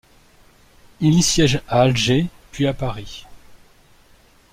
Il y siège à Alger, puis à Paris.